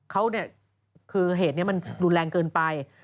เขาเนี่ยคือเหตุนี้มันรุนแรงเกินไป